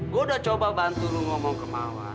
gue udah coba bantu lu ngomong ke mawar